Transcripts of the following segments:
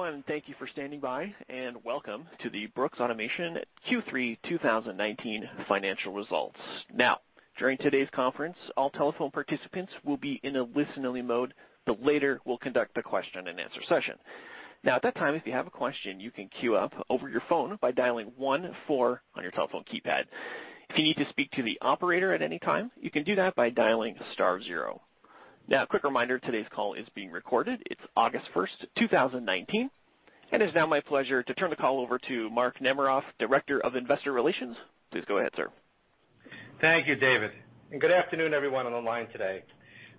Hello, everyone, and thank you for standing by, and welcome to the Brooks Automation Q3 2019 financial results. During today's conference, all telephone participants will be in a listen-only mode, but later we'll conduct a question and answer session. At that time, if you have a question, you can queue up over your phone by dialing one, four on your telephone keypad. If you need to speak to the operator at any time, you can do that by dialing star zero. A quick reminder, today's call is being recorded. It's August 1st, 2019, and it's now my pleasure to turn the call over to Mark Namaroff, Director of Investor Relations. Please go ahead, sir. Thank you, David. Good afternoon, everyone on the line today.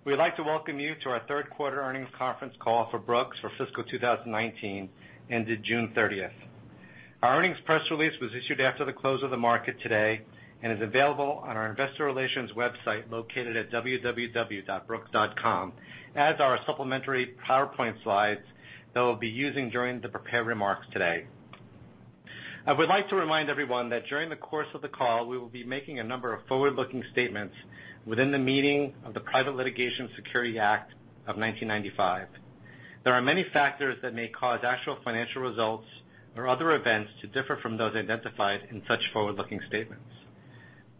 We'd like to welcome you to our third quarter earnings conference call for Brooks for fiscal 2019, ended June 30th. Our earnings press release was issued after the close of the market today and is available on our investor relations website located at www.brooks.com, as are our supplementary PowerPoint slides that we'll be using during the prepared remarks today. I would like to remind everyone that during the course of the call, we will be making a number of forward-looking statements within the meaning of the Private Securities Litigation Reform Act of 1995. There are many factors that may cause actual financial results or other events to differ from those identified in such forward-looking statements.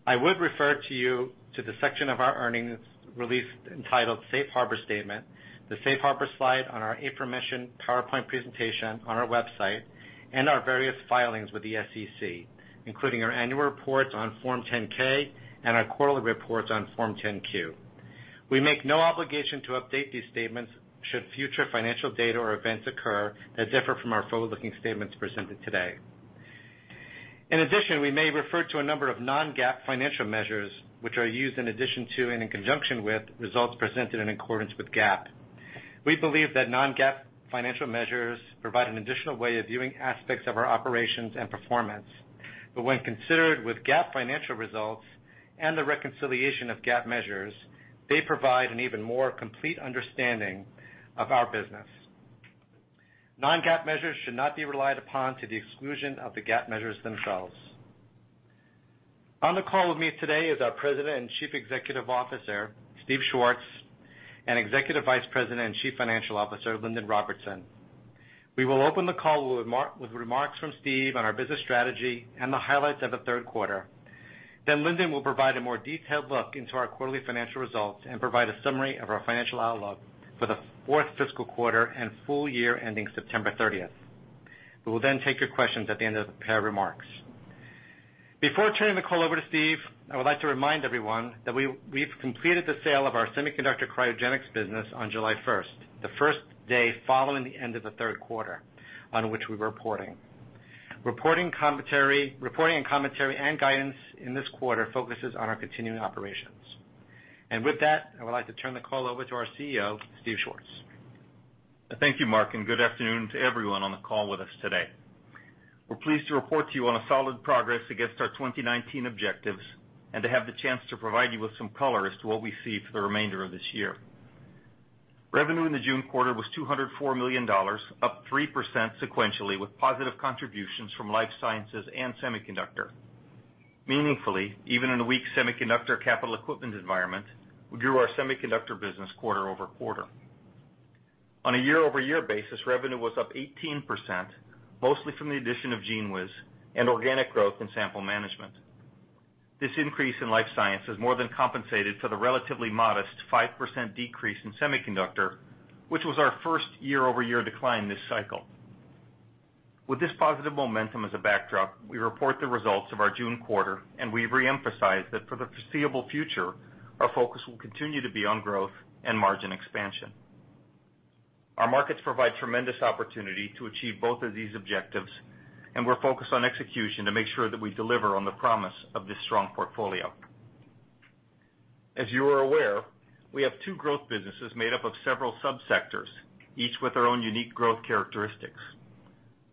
I would refer you to the section of our earnings release entitled Safe Harbor Statement, the Safe Harbor slide on our information PowerPoint presentation on our website, and our various filings with the SEC, including our annual reports on Form 10-K and our quarterly reports on Form 10-Q. We make no obligation to update these statements should future financial data or events occur that differ from our forward-looking statements presented today. In addition, we may refer to a number of non-GAAP financial measures, which are used in addition to and in conjunction with results presented in accordance with GAAP. We believe that non-GAAP financial measures provide an additional way of viewing aspects of our operations and performance. When considered with GAAP financial results and the reconciliation of GAAP measures, they provide an even more complete understanding of our business. Non-GAAP measures should not be relied upon to the exclusion of the GAAP measures themselves. On the call with me today is our President and Chief Executive Officer, Steve Schwartz, and Executive Vice President and Chief Financial Officer, Lindon Robertson. We will open the call with remarks from Steve on our business strategy and the highlights of the third quarter. Lindon will provide a more detailed look into our quarterly financial results and provide a summary of our financial outlook for the fourth fiscal quarter and full year ending September 30th. We will then take your questions at the end of the prepared remarks. Before turning the call over to Steve, I would like to remind everyone that we've completed the sale of our semiconductor cryogenics business on July 1st, the first day following the end of the third quarter on which we're reporting. Reporting and commentary and guidance in this quarter focuses on our continuing operations. With that, I would like to turn the call over to our CEO, Steve Schwartz. Thank you, Mark, and good afternoon to everyone on the call with us today. We're pleased to report to you on a solid progress against our 2019 objectives and to have the chance to provide you with some color as to what we see for the remainder of this year. Revenue in the June quarter was $204 million, up 3% sequentially, with positive contributions from life sciences and semiconductor. Meaningfully, even in a weak semiconductor capital equipment environment, we grew our semiconductor business quarter-over-quarter. On a year-over-year basis, revenue was up 18%, mostly from the addition of GENEWIZ and organic growth in Sample Management. This increase in life science has more than compensated for the relatively modest 5% decrease in semiconductor, which was our first year-over-year decline this cycle. With this positive momentum as a backdrop, we report the results of our June quarter, we reemphasize that for the foreseeable future, our focus will continue to be on growth and margin expansion. Our markets provide tremendous opportunity to achieve both of these objectives, we're focused on execution to make sure that we deliver on the promise of this strong portfolio. As you are aware, we have two growth businesses made up of several sub-sectors, each with their own unique growth characteristics.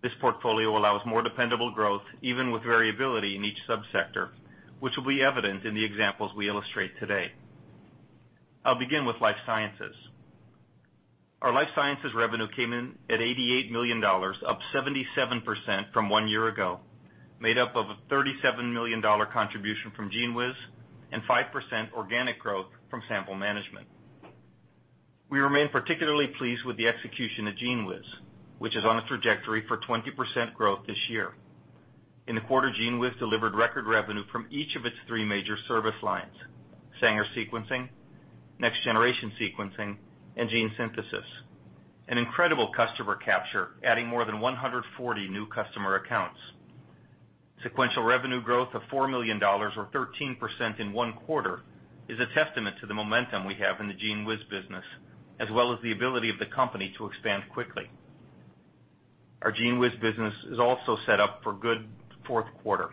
This portfolio allows more dependable growth, even with variability in each sub-sector, which will be evident in the examples we illustrate today. I'll begin with life sciences. Our life sciences revenue came in at $88 million, up 77% from one year ago, made up of a $37 million contribution from GENEWIZ and 5% organic growth from Sample Management. We remain particularly pleased with the execution of GENEWIZ, which is on a trajectory for 20% growth this year. In the quarter, GENEWIZ delivered record revenue from each of its three major service lines, Sanger sequencing, next-generation sequencing, and gene synthesis. An incredible customer capture, adding more than 140 new customer accounts. Sequential revenue growth of $4 million or 13% in one quarter is a testament to the momentum we have in the GENEWIZ business, as well as the ability of the company to expand quickly. Our GENEWIZ business is also set up for a good fourth quarter.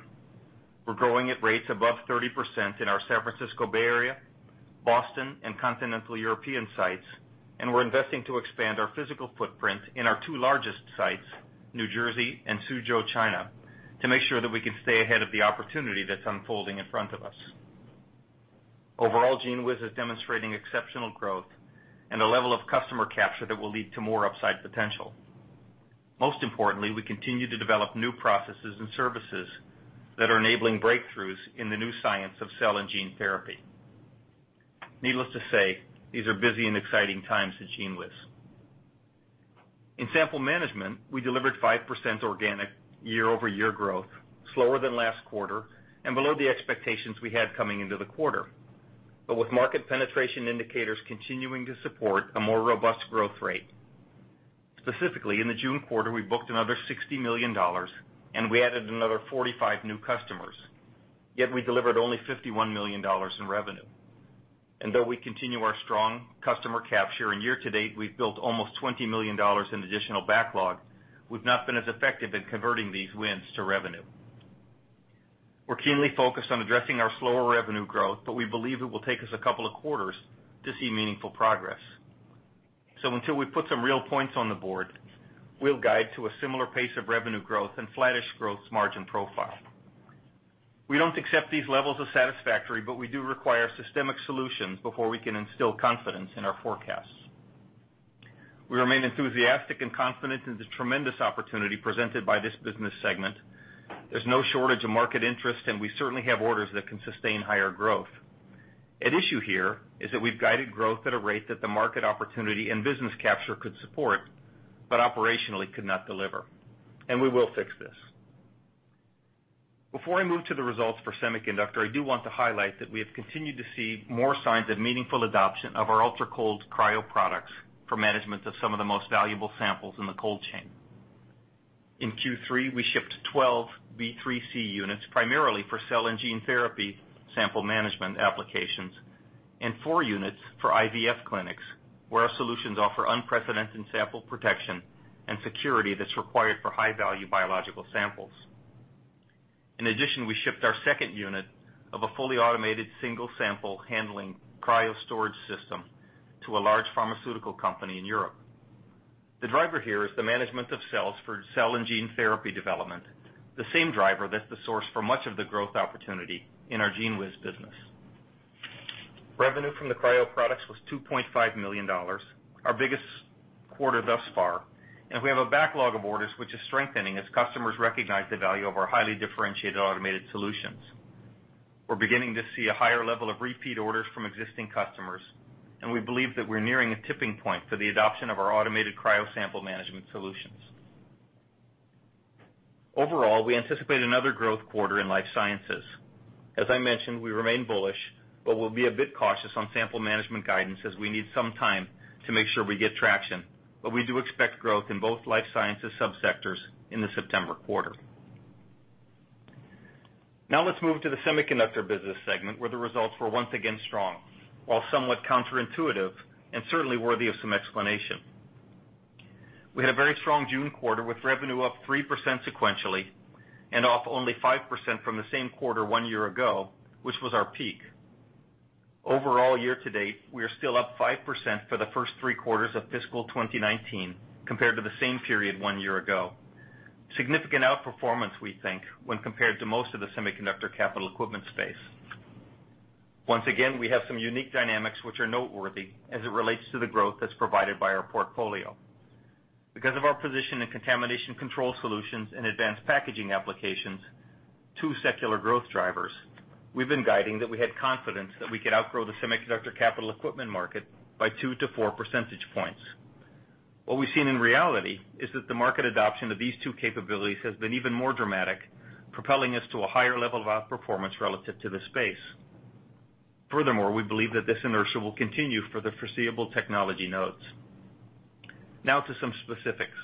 We're growing at rates above 30% in our San Francisco Bay Area, Boston, and Continental European sites, and we're investing to expand our physical footprint in our two largest sites, New Jersey and Suzhou, China, to make sure that we can stay ahead of the opportunity that's unfolding in front of us. Overall, GENEWIZ is demonstrating exceptional growth and a level of customer capture that will lead to more upside potential. Most importantly, we continue to develop new processes and services that are enabling breakthroughs in the new science of cell and gene therapy. Needless to say, these are busy and exciting times at GENEWIZ. In Sample Management, we delivered 5% organic year-over-year growth, slower than last quarter and below the expectations we had coming into the quarter. With market penetration indicators continuing to support a more robust growth rate. Specifically, in the June quarter, we booked another $60 million, and we added another 45 new customers, yet we delivered only $51 million in revenue. Though we continue our strong customer capture, and year-to-date, we've built almost $20 million in additional backlog, we've not been as effective in converting these wins to revenue. We're keenly focused on addressing our slower revenue growth. We believe it will take us a couple of quarters to see meaningful progress. Until we put some real points on the board, we'll guide to a similar pace of revenue growth and flattish growth margin profile. We don't accept these levels as satisfactory. We do require systemic solutions before we can instill confidence in our forecasts. We remain enthusiastic and confident in the tremendous opportunity presented by this business segment. There's no shortage of market interest. We certainly have orders that can sustain higher growth. At issue here is that we've guided growth at a rate that the market opportunity and business capture could support, but operationally could not deliver. We will fix this. Before I move to the results for semiconductor, I do want to highlight that we have continued to see more signs of meaningful adoption of our ultracold cryo products for management of some of the most valuable samples in the cold chain. In Q3, we shipped 12 B3C units, primarily for cell and gene therapy sample management applications, and four units for IVF clinics, where our solutions offer unprecedented sample protection and security that's required for high-value biological samples. In addition, we shipped our second unit of a fully automated single sample handling cryo storage system to a large pharmaceutical company in Europe. The driver here is the management of cells for cell and gene therapy development, the same driver that's the source for much of the growth opportunity in our GENEWIZ business. Revenue from the cryo products was $2.5 million, our biggest quarter thus far. We have a backlog of orders, which is strengthening as customers recognize the value of our highly differentiated automated solutions. We're beginning to see a higher level of repeat orders from existing customers. We believe that we're nearing a tipping point for the adoption of our automated cryo Sample Management solutions. Overall, we anticipate another growth quarter in Life Sciences. As I mentioned, we remain bullish. We'll be a bit cautious on Sample Management guidance as we need some time to make sure we get traction. We do expect growth in both Life Sciences sub-sectors in the September quarter. Let's move to the Semiconductor business segment, where the results were once again strong, while somewhat counterintuitive and certainly worthy of some explanation. We had a very strong June quarter, with revenue up 3% sequentially and up only 5% from the same quarter one year ago, which was our peak. Overall, year-to-date, we are still up 5% for the first three quarters of fiscal 2019 compared to the same period one year ago. Significant outperformance, we think, when compared to most of the semiconductor capital equipment space. Once again, we have some unique dynamics which are noteworthy as it relates to the growth that's provided by our portfolio. Because of our position in contamination control solutions and advanced packaging applications, two secular growth drivers, we've been guiding that we had confidence that we could outgrow the semiconductor capital equipment market by 2 to 4 percentage points. What we've seen in reality is that the market adoption of these two capabilities has been even more dramatic, propelling us to a higher level of outperformance relative to the space. We believe that this inertia will continue for the foreseeable technology nodes. Now to some specifics.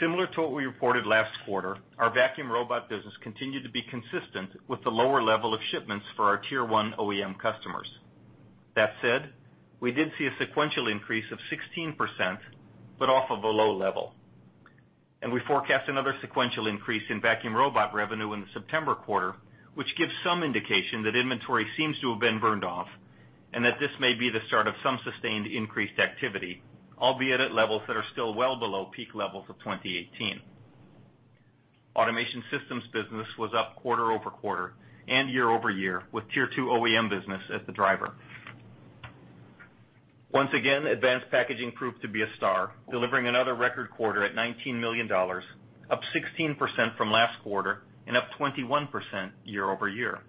Similar to what we reported last quarter, our vacuum robot business continued to be consistent with the lower level of shipments for our Tier 1 OEM customers. We did see a sequential increase of 16%, but off of a low level. We forecast another sequential increase in vacuum robot revenue in the September quarter, which gives some indication that inventory seems to have been burned off and that this may be the start of some sustained increased activity, albeit at levels that are still well below peak levels of 2018. Automation systems business was up quarter-over-quarter and year-over-year, with Tier 2 OEM business as the driver. Once again, advanced packaging proved to be a star, delivering another record quarter at $19 million, up 16% from last quarter and up 21% year-over-year.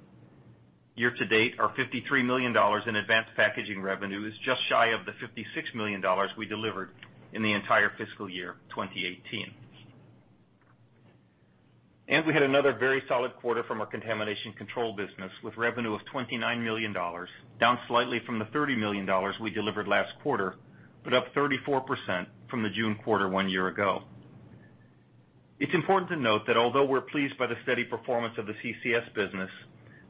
Year-to-date, our $53 million in advanced packaging revenue is just shy of the $56 million we delivered in the entire fiscal year 2018. We had another very solid quarter from our contamination control business, with revenue of $29 million, down slightly from the $30 million we delivered last quarter, but up 34% from the June quarter one year ago. It's important to note that although we're pleased by the steady performance of the CCS business,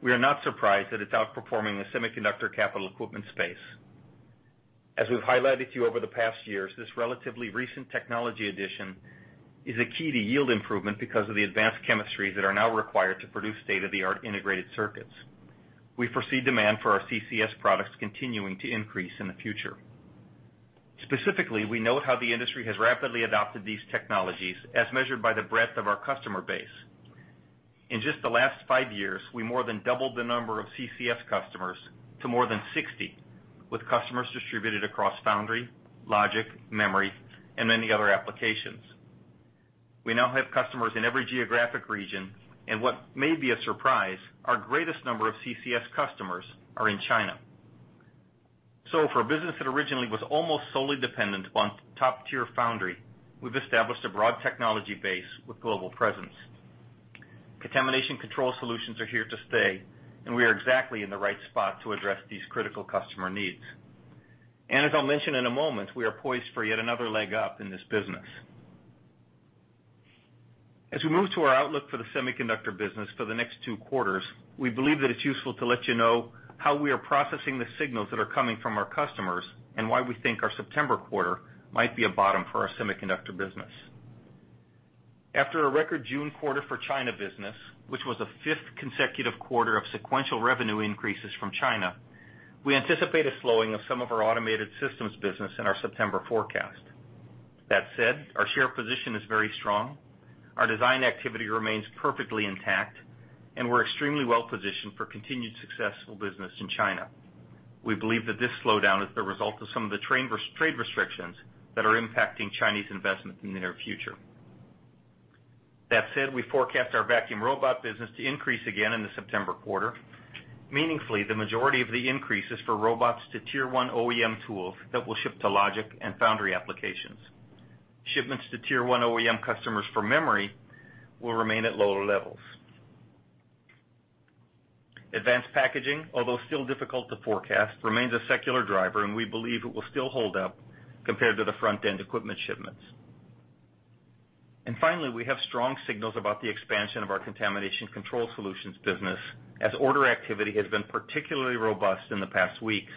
we are not surprised that it's outperforming the semiconductor capital equipment space. As we've highlighted to you over the past years, this relatively recent technology addition is a key to yield improvement because of the advanced chemistries that are now required to produce state-of-the-art integrated circuits. We foresee demand for our CCS products continuing to increase in the future. Specifically, we note how the industry has rapidly adopted these technologies as measured by the breadth of our customer base. In just the last five years, we more than doubled the number of CCS customers to more than 60, with customers distributed across foundry, logic, memory, and many other applications. We now have customers in every geographic region, and what may be a surprise, our greatest number of CCS customers are in China. For a business that originally was almost solely dependent upon top-tier foundry, we've established a broad technology base with global presence. Contamination control solutions are here to stay, and we are exactly in the right spot to address these critical customer needs. As I'll mention in a moment, we are poised for yet another leg up in this business. As we move to our outlook for the semiconductor business for the next two quarters, we believe that it's useful to let you know how we are processing the signals that are coming from our customers, and why we think our September quarter might be a bottom for our semiconductor business. After a record June quarter for China business, which was a fifth consecutive quarter of sequential revenue increases from China, we anticipate a slowing of some of our automated systems business in our September forecast. That said, our share position is very strong. Our design activity remains perfectly intact, and we're extremely well-positioned for continued successful business in China. We believe that this slowdown is the result of some of the trade restrictions that are impacting Chinese investment in the near future. We forecast our vacuum robot business to increase again in the September quarter. Meaningfully, the majority of the increase is for robots to Tier 1 OEM tools that will ship to logic and foundry applications. Shipments to Tier 1 OEM customers for memory will remain at lower levels. Advanced packaging, although still difficult to forecast, remains a secular driver, and we believe it will still hold up compared to the front-end equipment shipments. Finally, we have strong signals about the expansion of our contamination control solutions business, as order activity has been particularly robust in the past weeks.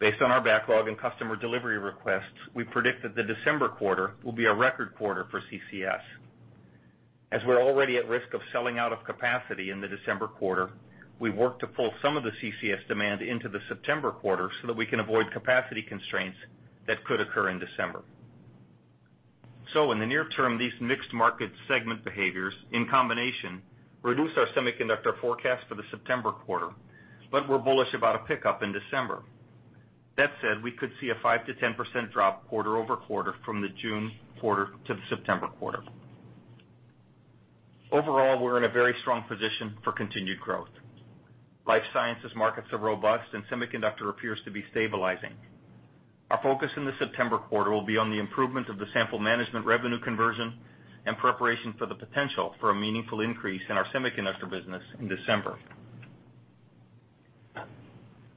Based on our backlog and customer delivery requests, we predict that the December quarter will be a record quarter for CCS. As we're already at risk of selling out of capacity in the December quarter, we've worked to pull some of the CCS demand into the September quarter so that we can avoid capacity constraints that could occur in December. In the near term, these mixed market segment behaviors, in combination, reduce our semiconductor forecast for the September quarter, but we're bullish about a pickup in December. That said, we could see a 5%-10% drop quarter-over-quarter from the June quarter to the September quarter. Overall, we're in a very strong position for continued growth. Life sciences markets are robust, and semiconductor appears to be stabilizing. Our focus in the September quarter will be on the improvement of the Sample Management revenue conversion and preparation for the potential for a meaningful increase in our semiconductor business in December.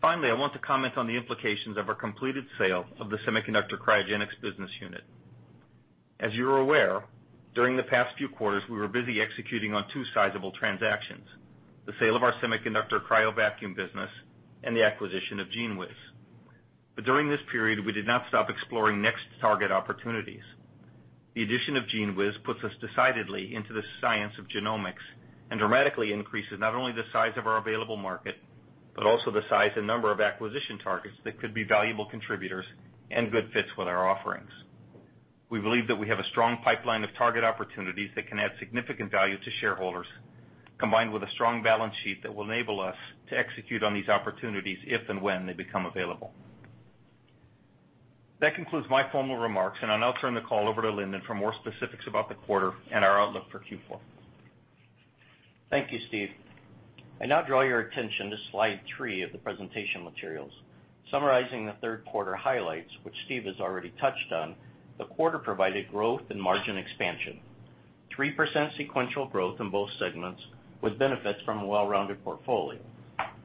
Finally, I want to comment on the implications of our completed sale of the semiconductor cryogenics business unit. As you are aware, during the past two quarters, we were busy executing on two sizable transactions, the sale of our semiconductor cryo vacuum business and the acquisition of GENEWIZ. During this period, we did not stop exploring next target opportunities. The addition of GENEWIZ puts us decidedly into the science of genomics and dramatically increases not only the size of our available market, but also the size and number of acquisition targets that could be valuable contributors and good fits with our offerings. We believe that we have a strong pipeline of target opportunities that can add significant value to shareholders, combined with a strong balance sheet that will enable us to execute on these opportunities if and when they become available. That concludes my formal remarks. I'll now turn the call over to Lindon for more specifics about the quarter and our outlook for Q4. Thank you, Steve. I now draw your attention to slide three of the presentation materials. Summarizing the third quarter highlights, which Steve has already touched on, the quarter provided growth and margin expansion, 3% sequential growth in both segments with benefits from a well-rounded portfolio,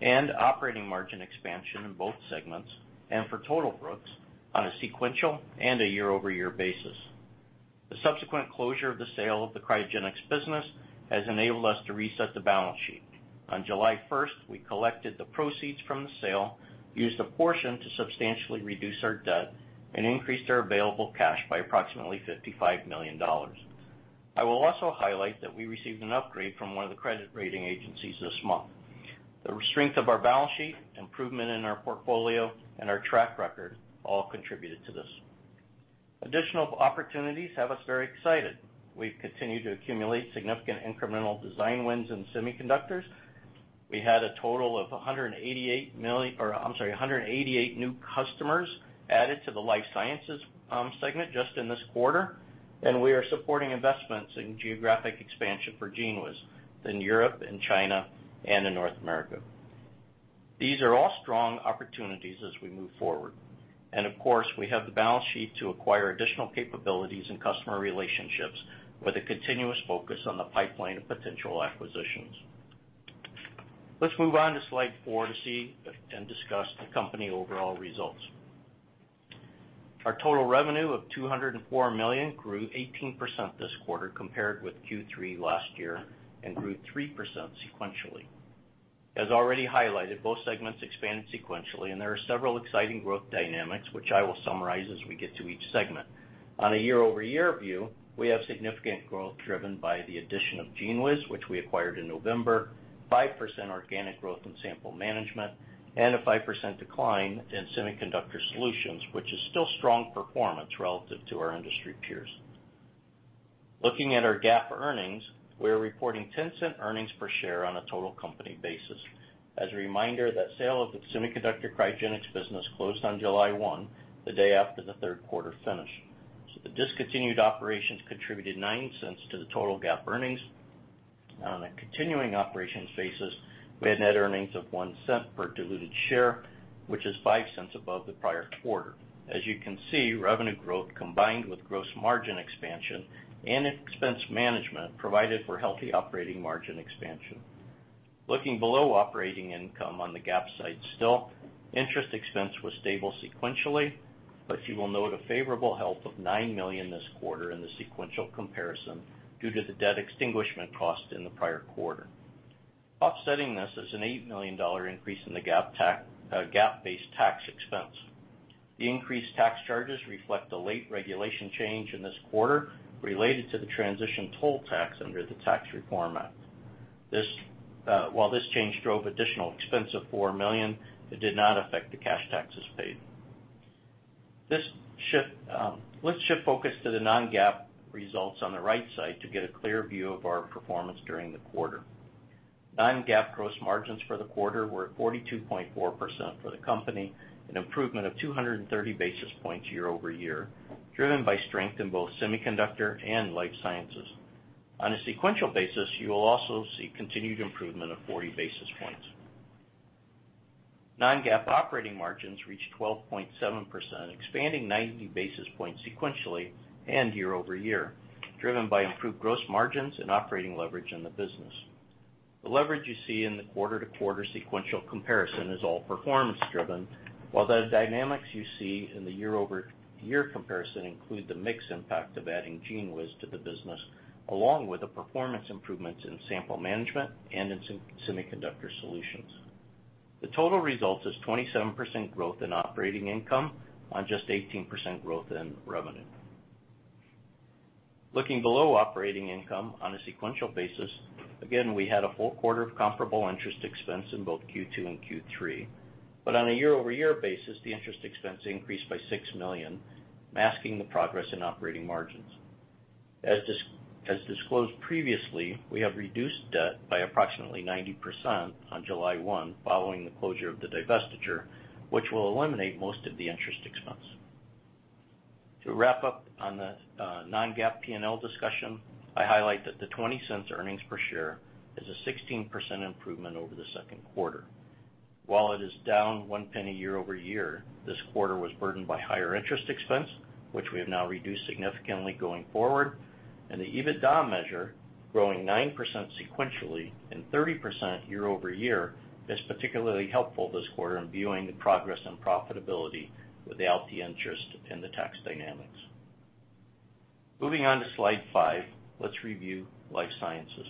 and operating margin expansion in both segments and for total groups on a sequential and a year-over-year basis. The subsequent closure of the sale of the cryogenics business has enabled us to reset the balance sheet. On July 1st, we collected the proceeds from the sale, used a portion to substantially reduce our debt, and increased our available cash by approximately $55 million. I will also highlight that we received an upgrade from one of the credit rating agencies this month. The strength of our balance sheet, improvement in our portfolio, and our track record all contributed to this. Additional opportunities have us very excited. We've continued to accumulate significant incremental design wins in semiconductors. We had a total of 188 new customers added to the life sciences segment just in this quarter. We are supporting investments in geographic expansion for GENEWIZ in Europe, in China, and in North America. These are all strong opportunities as we move forward. Of course, we have the balance sheet to acquire additional capabilities and customer relationships with a continuous focus on the pipeline of potential acquisitions. Let's move on to slide four to see and discuss the company overall results. Our total revenue of $204 million grew 18% this quarter compared with Q3 last year and grew 3% sequentially. As already highlighted, both segments expanded sequentially. There are several exciting growth dynamics, which I will summarize as we get to each segment. On a year-over-year view, we have significant growth driven by the addition of GENEWIZ, which we acquired in November, 5% organic growth in Sample Management, and a 5% decline in semiconductor solutions, which is still strong performance relative to our industry peers. Looking at our GAAP earnings, we are reporting $0.10 earnings per share on a total company basis. As a reminder, that sale of the semiconductor cryogenics business closed on July 1, the day after the third quarter finished. The discontinued operations contributed $0.09 to the total GAAP earnings. On a continuing operations basis, we had net earnings of $0.01 per diluted share, which is $0.05 above the prior quarter. As you can see, revenue growth combined with gross margin expansion and expense management provided for healthy operating margin expansion. Looking below operating income on the GAAP side still, interest expense was stable sequentially. You will note a favorable help of $9 million this quarter in the sequential comparison due to the debt extinguishment cost in the prior quarter. Offsetting this is an $8 million increase in the GAAP-based tax expense. The increased tax charges reflect a late regulation change in this quarter related to the transition toll tax under the Tax Reform Act. This change drove additional expense of $4 million, it did not affect the cash taxes paid. Let's shift focus to the non-GAAP results on the right side to get a clear view of our performance during the quarter. Non-GAAP gross margins for the quarter were at 42.4% for the company, an improvement of 230 basis points year-over-year, driven by strength in both semiconductor and life sciences. On a sequential basis, you will also see continued improvement of 40 basis points. non-GAAP operating margins reached 12.7%, expanding 90 basis points sequentially and year-over-year, driven by improved gross margins and operating leverage in the business. The leverage you see in the quarter-to-quarter sequential comparison is all performance driven, while the dynamics you see in the year-over-year comparison include the mix impact of adding GENEWIZ to the business, along with the performance improvements in Sample Management and in semiconductor solutions. The total result is 27% growth in operating income on just 18% growth in revenue. Looking below operating income on a sequential basis, again, we had a full quarter of comparable interest expense in both Q2 and Q3. On a year-over-year basis, the interest expense increased by $6 million, masking the progress in operating margins. As disclosed previously, we have reduced debt by approximately 90% on July 1 following the closure of the divestiture, which will eliminate most of the interest expense. To wrap up on the non-GAAP P&L discussion, I highlight that the $0.20 earnings per share is a 16% improvement over the second quarter. While it is down $0.01 year-over-year, this quarter was burdened by higher interest expense, which we have now reduced significantly going forward, and the EBITDA measure growing 9% sequentially and 30% year-over-year is particularly helpful this quarter in viewing the progress and profitability without the interest in the tax dynamics. Moving on to Slide 5, let's review life sciences.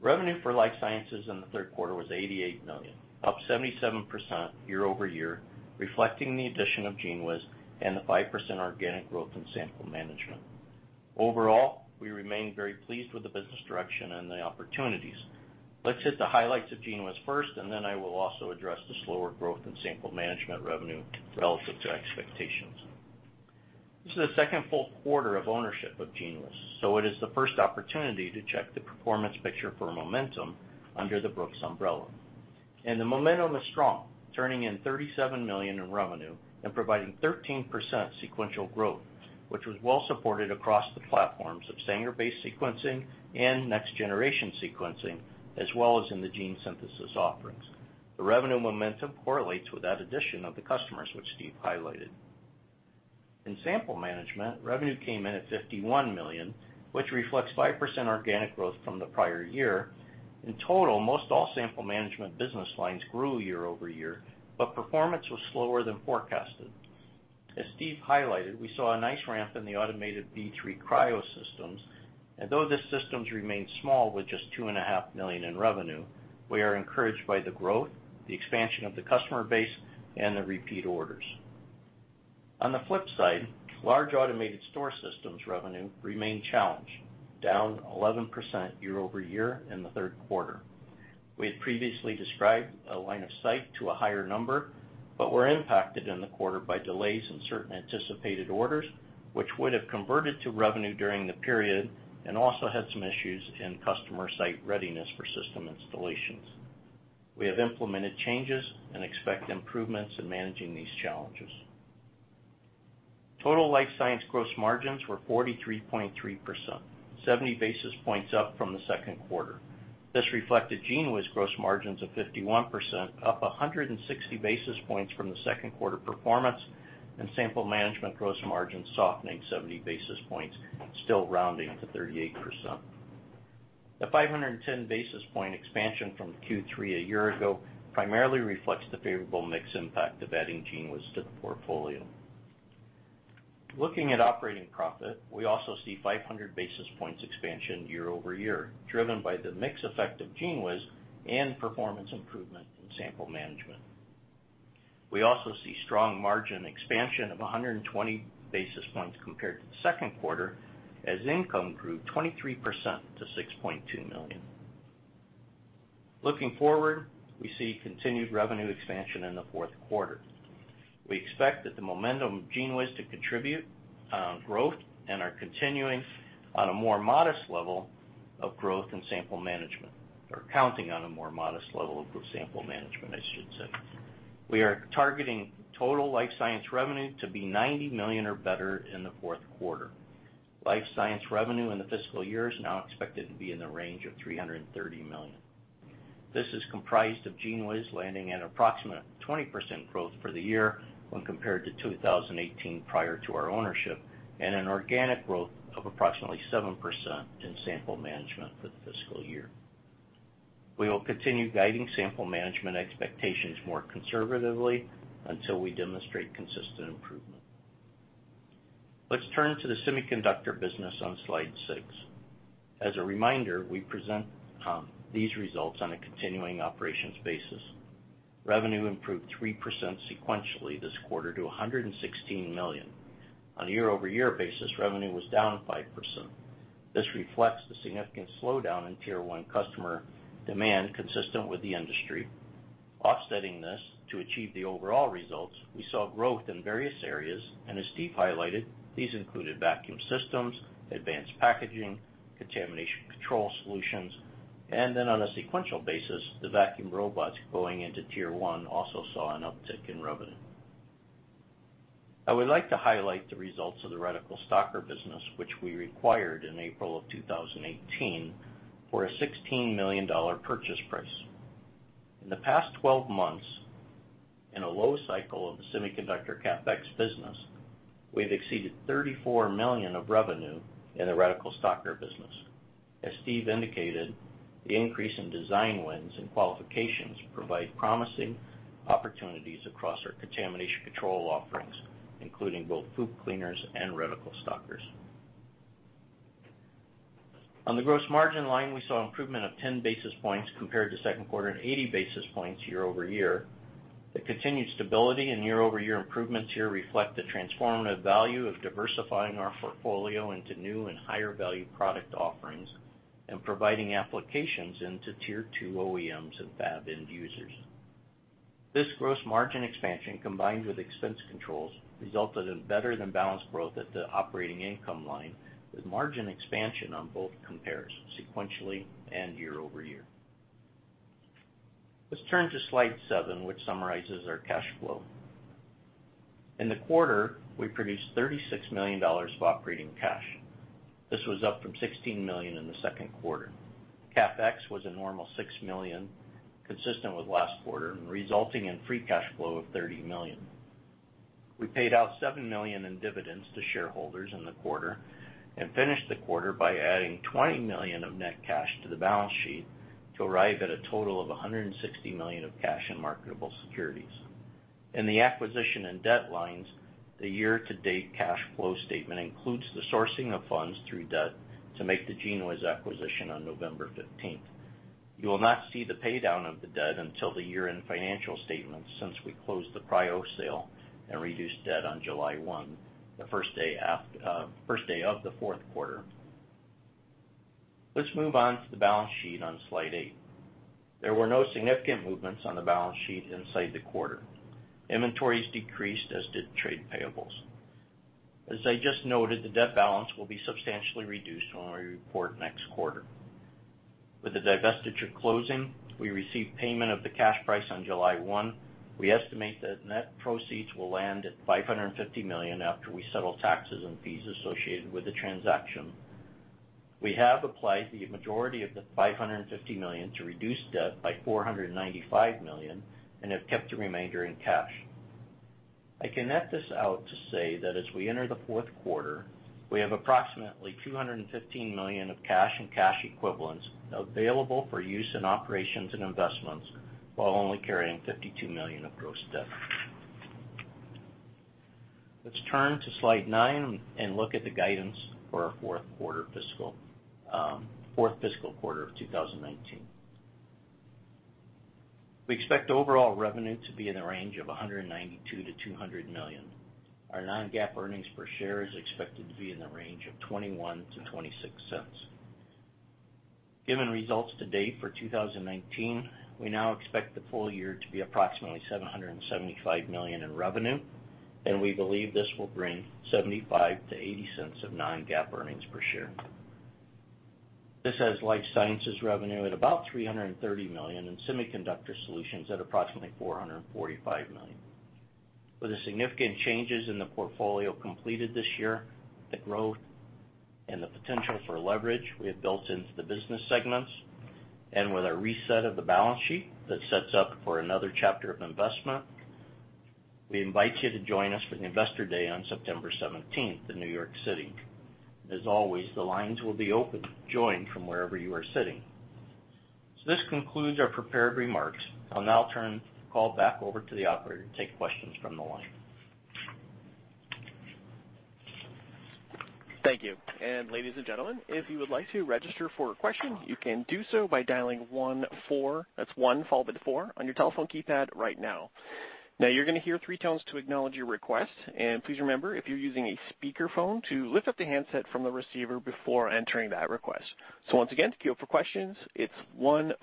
Revenue for life sciences in the third quarter was $88 million, up 77% year-over-year, reflecting the addition of GENEWIZ and the 5% organic growth in Sample Management. Overall, we remain very pleased with the business direction and the opportunities. Let's hit the highlights of GENEWIZ first. Then I will also address the slower growth in Sample Management revenue relative to expectations. This is the second full quarter of ownership of GENEWIZ. It is the first opportunity to check the performance picture for momentum under the Brooks umbrella. The momentum is strong, turning in $37 million in revenue and providing 13% sequential growth, which was well supported across the platforms of Sanger-based sequencing and next-generation sequencing, as well as in the gene synthesis offerings. The revenue momentum correlates with that addition of the customers, which Steve highlighted. In Sample Management, revenue came in at $51 million, which reflects 5% organic growth from the prior year. In total, most all Sample Management business lines grew year-over-year. Performance was slower than forecasted. As Steve highlighted, we saw a nice ramp in the automated B3 Cryo systems, and though the systems remain small with just $2.5 million in revenue, we are encouraged by the growth, the expansion of the customer base, and the repeat orders. On the flip side, large automated store systems revenue remained challenged, down 11% year-over-year in the third quarter. We had previously described a line of sight to a higher number, but were impacted in the quarter by delays in certain anticipated orders, which would have converted to revenue during the period and also had some issues in customer site readiness for system installations. We have implemented changes and expect improvements in managing these challenges. Total life science gross margins were 43.3%, 70 basis points up from the second quarter. This reflected GENEWIZ gross margins of 51%, up 160 basis points from the second quarter performance, and Sample Management gross margin softening 70 basis points, still rounding to 38%. The 510 basis point expansion from Q3 a year ago primarily reflects the favorable mix impact of adding GENEWIZ to the portfolio. Looking at operating profit, we also see 500 basis points expansion year-over-year, driven by the mix effect of GENEWIZ and performance improvement in Sample Management. We also see strong margin expansion of 120 basis points compared to the second quarter, as income grew 23% to $6.2 million. Looking forward, we see continued revenue expansion in the fourth quarter. We expect that the momentum of GENEWIZ to contribute growth and are continuing on a more modest level of growth in Sample Management. Counting on a more modest level of Sample Management, I should say. We are targeting total Life Science revenue to be $90 million or better in the fourth quarter. Life Science revenue in the fiscal year is now expected to be in the range of $330 million. This is comprised of GENEWIZ landing at approximately 20% growth for the year when compared to 2018, prior to our ownership, and an organic growth of approximately 7% in Sample Management for the fiscal year. We will continue guiding Sample Management expectations more conservatively until we demonstrate consistent improvement. Let's turn to the semiconductor business on slide six. As a reminder, we present these results on a continuing operations basis. Revenue improved 3% sequentially this quarter to $116 million. On a year-over-year basis, revenue was down 5%. This reflects the significant slowdown in Tier 1 customer demand consistent with the industry. Offsetting this, to achieve the overall results, we saw growth in various areas, and as Steve highlighted, these included vacuum systems, advanced packaging, contamination control solutions, and then on a sequential basis, the vacuum robots going into Tier 1 also saw an uptick in revenue. I would like to highlight the results of the reticle stocker business, which we acquired in April of 2018 for a $16 million purchase price. In the past 12 months, in a low cycle of the semiconductor CapEx business, we've exceeded $34 million of revenue in the reticle stocker business. As Steve indicated, the increase in design wins and qualifications provide promising opportunities across our contamination control offerings, including both FOUP cleaners and reticle stockers. On the gross margin line, we saw improvement of 10 basis points compared to second quarter and 80 basis points year-over-year. The continued stability and year-over-year improvements here reflect the transformative value of diversifying our portfolio into new and higher-value product offerings and providing applications into Tier 2 OEMs and fab end users. This gross margin expansion, combined with expense controls, resulted in better than balanced growth at the operating income line, with margin expansion on both compares sequentially and year-over-year. Let's turn to slide seven, which summarizes our cash flow. In the quarter, we produced $36 million of operating cash. This was up from $16 million in the second quarter. CapEx was a normal $6 million, consistent with last quarter, and resulting in free cash flow of $30 million. We paid out $7 million in dividends to shareholders in the quarter and finished the quarter by adding $20 million of net cash to the balance sheet to arrive at a total of $160 million of cash and marketable securities. In the acquisition and debt lines, the year-to-date cash flow statement includes the sourcing of funds through debt to make the GENEWIZ acquisition on November 15th. You will not see the paydown of the debt until the year-end financial statements since we closed the Cryo sale and reduced debt on July 1, the first day of the fourth quarter. Let's move on to the balance sheet on slide eight. There were no significant movements on the balance sheet inside the quarter. Inventories decreased, as did trade payables. As I just noted, the debt balance will be substantially reduced when we report next quarter. With the divestiture closing, we received payment of the cash price on July 1. We estimate that net proceeds will land at $550 million after we settle taxes and fees associated with the transaction. We have applied the majority of the $550 million to reduce debt by $495 million and have kept the remainder in cash. I can net this out to say that as we enter the fourth quarter, we have approximately $215 million of cash and cash equivalents available for use in operations and investments, while only carrying $52 million of gross debt. Let's turn to slide nine and look at the guidance for our fourth fiscal quarter of 2019. We expect overall revenue to be in the range of $192 million-$200 million. Our non-GAAP earnings per share is expected to be in the range of $0.21-$0.26. Given results to date for 2019, we now expect the full year to be approximately $775 million in revenue, and we believe this will bring $0.75-$0.80 of non-GAAP earnings per share. This has life sciences revenue at about $330 million, and semiconductor solutions at approximately $445 million. With the significant changes in the portfolio completed this year, the growth, and the potential for leverage we have built into the business segments, and with a reset of the balance sheet that sets up for another chapter of investment, we invite you to join us for the Investor Day on September 17th in New York City. As always, the lines will be open to join from wherever you are sitting. This concludes our prepared remarks. I'll now turn the call back over to the operator to take questions from the line. Thank you. Ladies and gentlemen, if you would like to register for a question, you can do so by dialing 14, that's one followed by the four, on your telephone keypad right now. You're going to hear three tones to acknowledge your request. Please remember, if you're using a speakerphone, to lift up the handset from the receiver before entering that request. Once again, to queue up for questions, it's 14,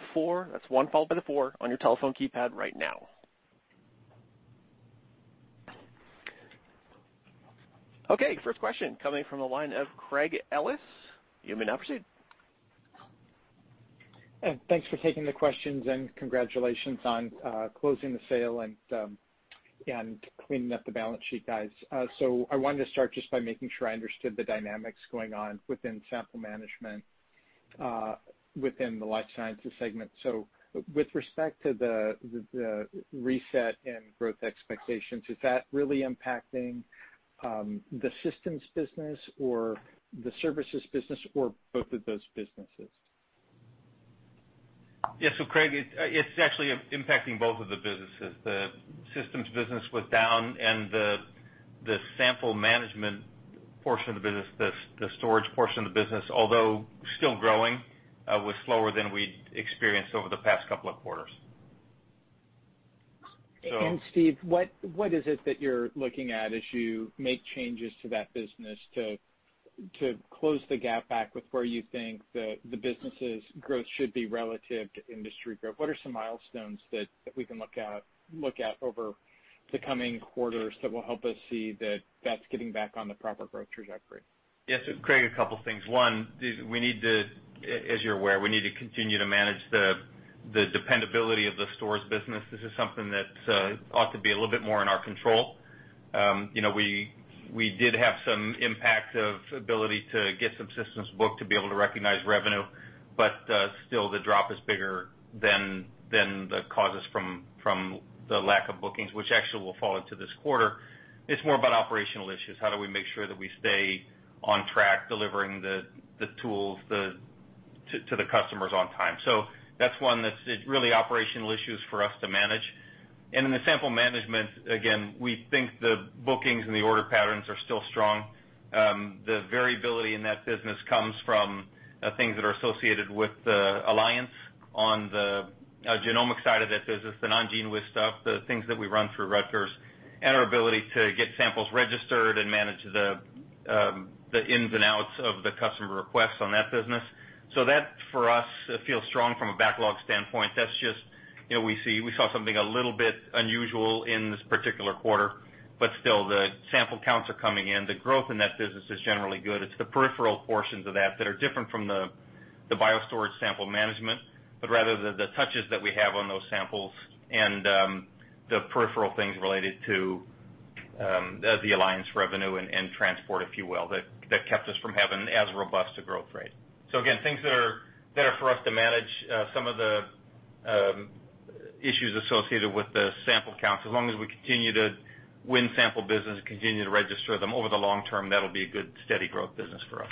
that's one followed by the four, on your telephone keypad right now. Okay. First question coming from the line of Craig Ellis. You may now proceed. Thanks for taking the questions and congratulations on closing the sale and cleaning up the balance sheet, guys. I wanted to start just by making sure I understood the dynamics going on within Sample Management, within the life sciences segment. With respect to the reset and growth expectations, is that really impacting the systems business or the services business, or both of those businesses? Craig, it's actually impacting both of the businesses. The systems business was down and the Sample Management portion of the business, the storage portion of the business, although still growing, was slower than we'd experienced over the past couple of quarters. Steve, what is it that you're looking at as you make changes to that business to close the gap back with where you think the business's growth should be relative to industry growth? What are some milestones that we can look at over the coming quarters that will help us see that that's getting back on the proper growth trajectory? Yeah. Craig, a couple things. One, as you're aware, we need to continue to manage the dependability of the storage business. This is something that ought to be a little bit more in our control. We did have some impact of ability to get some systems booked to be able to recognize revenue, but still, the drop is bigger than the causes from the lack of bookings, which actually will fall into this quarter. It's more about operational issues. How do we make sure that we stay on track delivering the tools to the customers on time? That's one that's really operational issues for us to manage. In the Sample Management, again, we think the bookings and the order patterns are still strong. The variability in that business comes from things that are associated with the alliance on the genomic side of that business, the non-GENEWIZ stuff, the things that we run through Rutgers, and our ability to get samples registered and manage the ins and outs of the customer requests on that business. That, for us, feels strong from a backlog standpoint. We saw something a little bit unusual in this particular quarter, but still the sample counts are coming in. The growth in that business is generally good. It's the peripheral portions of that are different from the BioStorage Sample Management, but rather the touches that we have on those samples and the peripheral things related to the alliance revenue and transport, if you will, that kept us from having as robust a growth rate. Again, things that are for us to manage, some of the issues associated with the sample counts. As long as we continue to win sample business and continue to register them over the long term, that'll be a good steady growth business for us.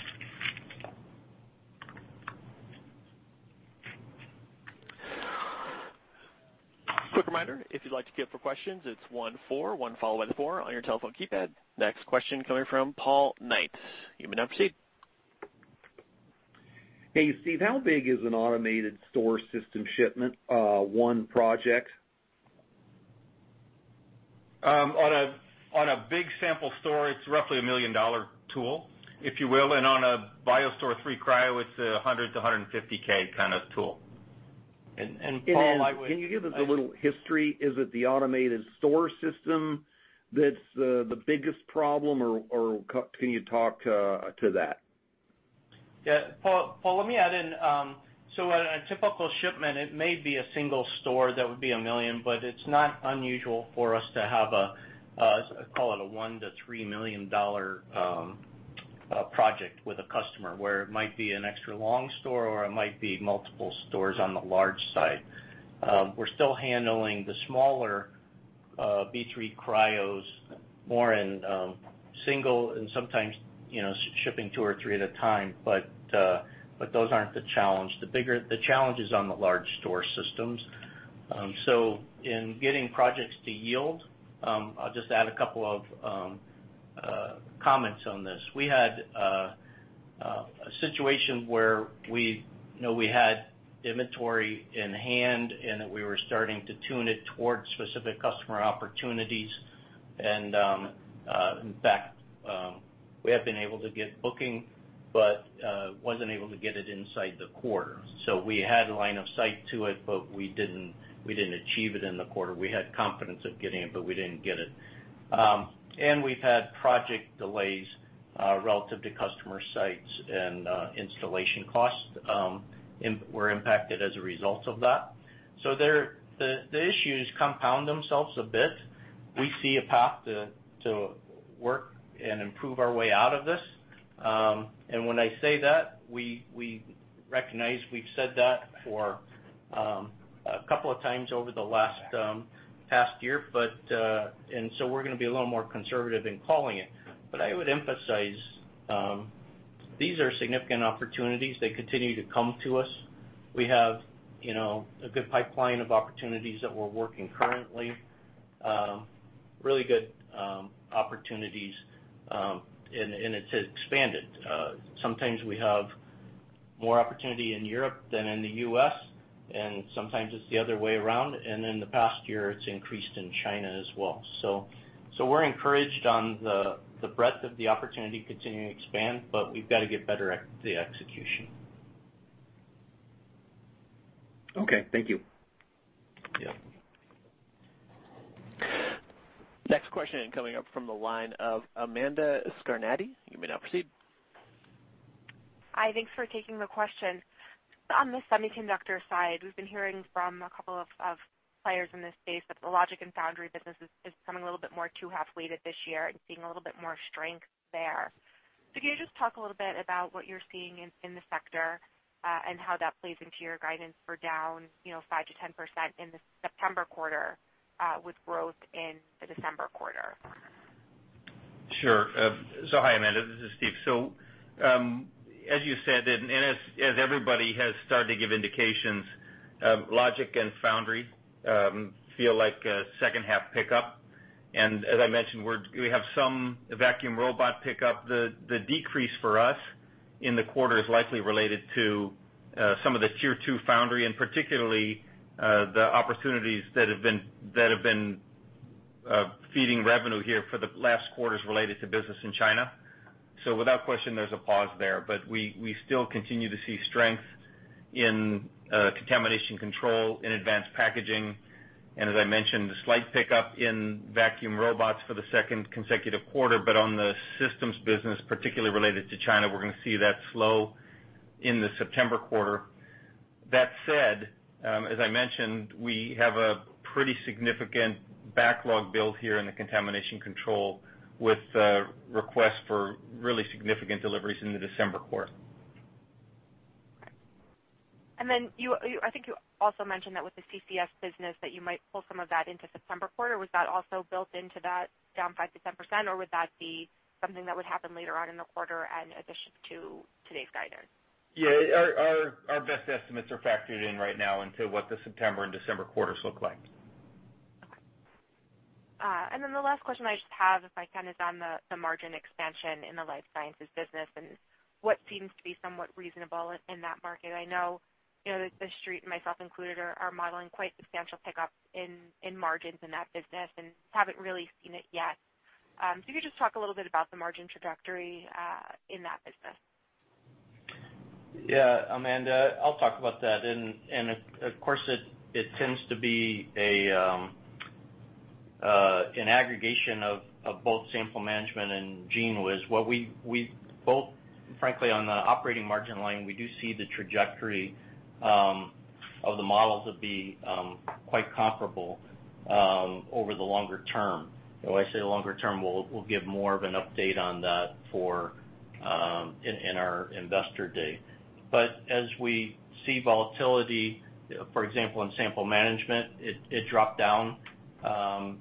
Quick reminder, if you'd like to queue up for questions, it's one four, one followed by four on your telephone keypad. Next question coming from Paul Knight. You may now proceed. Hey, Steve, how big is an automated store system shipment, one project? On a big sample store, it's roughly a $1 million tool, if you will, and on a BioStore III Cryo, it's a $100K-$150K kind of tool. Paul, I would. Can you give us a little history? Is it the automated store system that's the biggest problem or can you talk to that? Yeah. Paul, let me add in. A typical shipment, it may be a single store that would be $1 million, but it's not unusual for us to have a, call it a $1 million-$3 million project with a customer, where it might be an extra long store, or it might be multiple stores on the large side. We're still handling the smaller B3 Cryos more in single and sometimes shipping two or three at a time. Those aren't the challenge. The challenge is on the large store systems. In getting projects to yield, I'll just add a couple of comments on this. We had a situation where we had inventory in hand and that we were starting to tune it towards specific customer opportunities and, in fact, we have been able to get booking, but wasn't able to get it inside the quarter. We had line of sight to it, but we didn't achieve it in the quarter. We had confidence of getting it, but we didn't get it. We've had project delays, relative to customer sites and installation costs, and we're impacted as a result of that. The issues compound themselves a bit. We see a path to work and improve our way out of this. When I say that, we recognize we've said that for a couple of times over the last past year, and so we're going to be a little more conservative in calling it. I would emphasize, these are significant opportunities. They continue to come to us. We have a good pipeline of opportunities that we're working currently. Really good opportunities, and it's expanded. Sometimes we have more opportunity in Europe than in the U.S., and sometimes it's the other way around. In the past year, it's increased in China as well. We're encouraged on the breadth of the opportunity continuing to expand, but we've got to get better at the execution. Okay. Thank you. Yeah. Next question coming up from the line of Amanda Scarnati, you may now proceed. Hi. Thanks for taking the question. On the semiconductor side, we've been hearing from a couple of players in this space that the logic and foundry business is becoming a little bit more two half weighted this year and seeing a little bit more strength there. Can you just talk a little bit about what you're seeing in the sector, and how that plays into your guidance for down 5%-10% in the September quarter, with growth in the December quarter? Sure. Hi, Amanda. This is Steve. As you said, and as everybody has started to give indications, logic and foundry feel like a second half pickup. As I mentioned, we have some vacuum robot pickup. The decrease for us in the quarter is likely related to some of the Tier 2 foundry, and particularly the opportunities that have been feeding revenue here for the last quarters related to business in China. Without question, there's a pause there, but we still continue to see strength in contamination control, in advanced packaging, and as I mentioned, a slight pickup in vacuum robots for the second consecutive quarter. On the systems business, particularly related to China, we're going to see that slow in the September quarter. That said, as I mentioned, we have a pretty significant backlog build here in the contamination control with requests for really significant deliveries in the December quarter. Okay. I think you also mentioned that with the CCS business, that you might pull some of that into September quarter. Was that also built into that down 5%-10%, or would that be something that would happen later on in the quarter in addition to today's guidance? Yeah. Our best estimates are factored in right now into what the September and December quarters look like. Okay. The last question I just have, if I can, is on the margin expansion in the life sciences business and what seems to be somewhat reasonable in that market. I know that the street and myself included, are modeling quite substantial pickups in margins in that business and haven't really seen it yet. Can you just talk a little bit about the margin trajectory in that business? Yeah. Amanda, I'll talk about that. Of course, it tends to be an aggregation of both Sample Management and GENEWIZ. What we both, frankly, on the operating margin line, we do see the trajectory of the models will be quite comparable over the longer term. When I say longer term, we'll give more of an update on that in our investor day. As we see volatility, for example, in Sample Management, it dropped down. While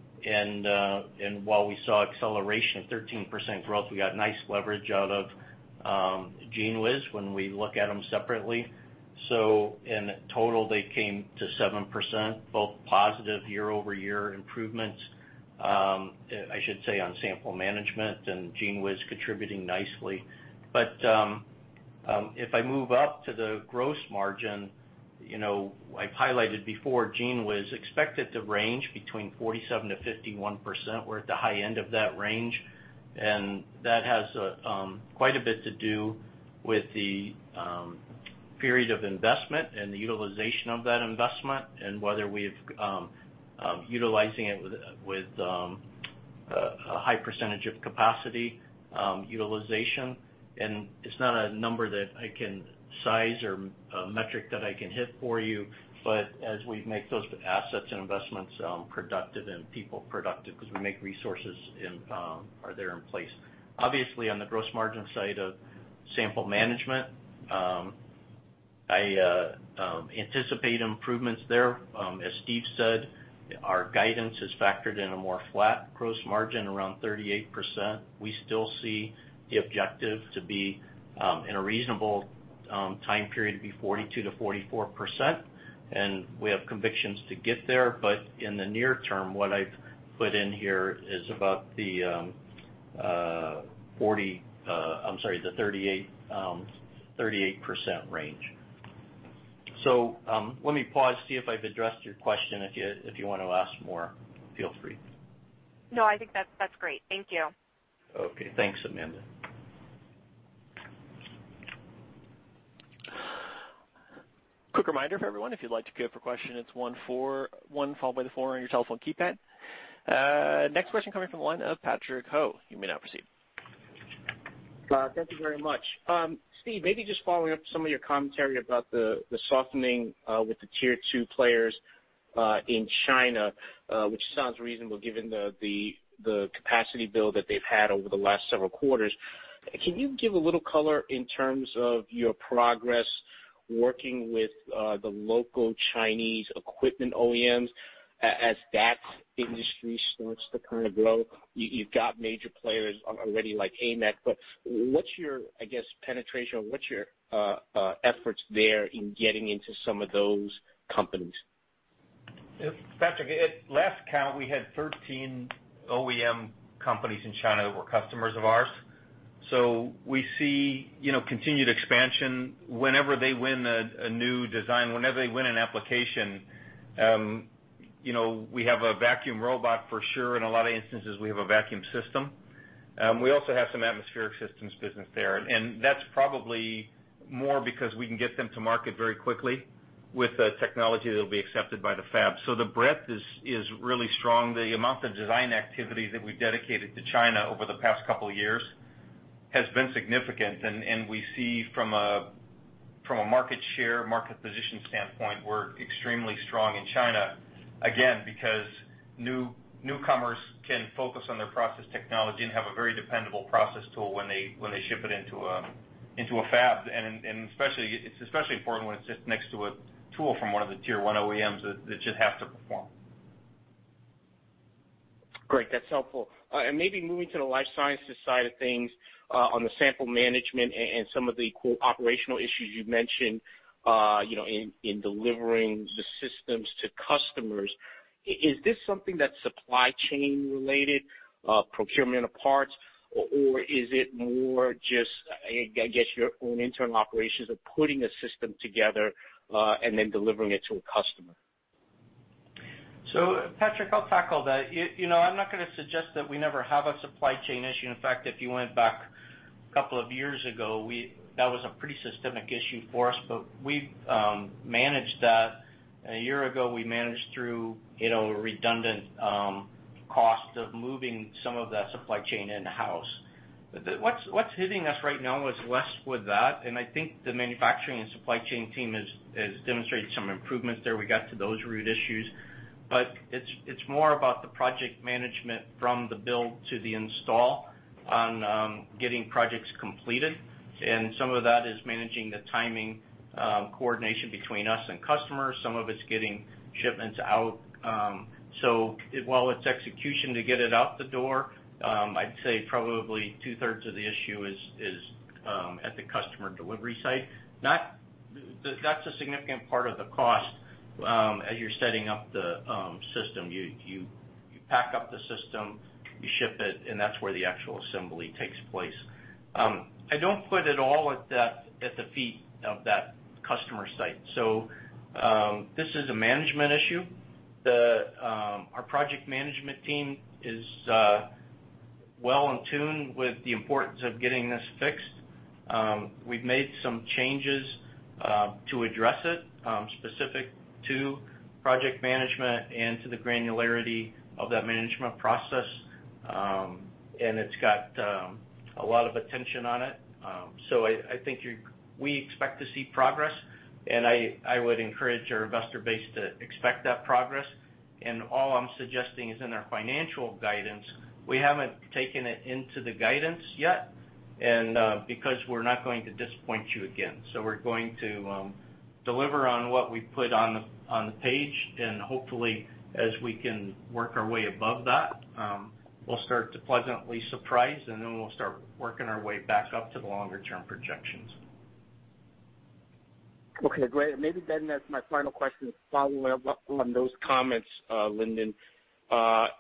we saw acceleration of 13% growth, we got nice leverage out of GENEWIZ when we look at them separately. In total, they came to 7%, both positive year-over-year improvements, I should say, on Sample Management and GENEWIZ contributing nicely. If I move up to the gross margin, I've highlighted before, GENEWIZ expected to range between 47%-51%. We're at the high end of that range, that has quite a bit to do with the period of investment and the utilization of that investment, and whether we're utilizing it with a high percentage of capacity utilization. It's not a number that I can size or a metric that I can hit for you. As we make those assets and investments productive and people productive, because we make resources are there in place. Obviously, on the gross margin side of Sample Management, I anticipate improvements there. As Steve said, our guidance has factored in a more flat gross margin around 38%. We still see the objective to be in a reasonable time period to be 42%-44%, we have convictions to get there. In the near term, what I've put in here is about the 38% range. Let me pause, see if I've addressed your question. If you want to ask more, feel free. No, I think that's great. Thank you. Okay. Thanks, Amanda. Quick reminder for everyone. If you'd like to queue up for a question, it's one, followed by the four on your telephone keypad. Next question coming from the line of Patrick Ho, you may now proceed. Thank you very much. Steve, maybe just following up some of your commentary about the softening with the Tier 2 players in China, which sounds reasonable given the capacity build that they've had over the last several quarters. Can you give a little color in terms of your progress working with the local Chinese equipment OEMs as that industry starts to kind of grow? You've got major players already like AMEC, but what's your, I guess, penetration or what's your efforts there in getting into some of those companies? Patrick, at last count, we had 13 OEM companies in China that were customers of ours. We see continued expansion whenever they win a new design, whenever they win an application, we have a vacuum robot for sure. In a lot of instances, we have a vacuum system. We also have some atmospheric systems business there, and that's probably more because we can get them to market very quickly with a technology that'll be accepted by the fab. The breadth is really strong. The amount of design activity that we've dedicated to China over the past couple of years has been significant, and we see from a market share, market position standpoint, we're extremely strong in China, again, because newcomers can focus on their process technology and have a very dependable process tool when they ship it into a fab. It's especially important when it sits next to a tool from one of the Tier 1 OEMs that just has to perform. Great. That's helpful. Maybe moving to the life sciences side of things, on the Sample Management and some of the operational issues you've mentioned, in delivering the systems to customers, is this something that's supply chain related, procurement of parts, or is it more just, I guess, your own internal operations of putting a system together, and then delivering it to a customer? Patrick, I'll tackle that. I'm not going to suggest that we never have a supply chain issue. In fact, if you went back a couple of years ago, that was a pretty systemic issue for us, but we've managed that. A year ago, we managed through redundant costs of moving some of that supply chain in-house. What's hitting us right now is less with that, and I think the manufacturing and supply chain team has demonstrated some improvements there. We got to those root issues. It's more about the project management from the build to the install on getting projects completed, and some of that is managing the timing, coordination between us and customers. Some of it's getting shipments out. While it's execution to get it out the door, I'd say probably two-thirds of the issue is at the customer delivery site. That's a significant part of the cost. As you're setting up the system, you pack up the system, you ship it, and that's where the actual assembly takes place. I don't put it all at the feet of that customer site. This is a management issue. Our project management team is well in tune with the importance of getting this fixed. We've made some changes, to address it, specific to project management and to the granularity of that management process. It's got a lot of attention on it. I think we expect to see progress, and I would encourage our investor base to expect that progress. All I'm suggesting is in our financial guidance, we haven't taken it into the guidance yet, and because we're not going to disappoint you again. We're going to deliver on what we put on the page, and hopefully, as we can work our way above that, we'll start to pleasantly surprise, and then we'll start working our way back up to the longer-term projections. Okay, great. Maybe then as my final question following up on those comments, Lindon,